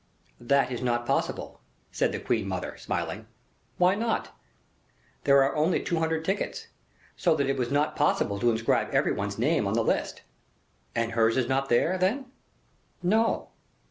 "That is not possible," said the queen mother, smiling. "Why not?" "There are only two hundred tickets, so that it was not possible to inscribe every one's name on the list." "And hers is not there, then?" "No!"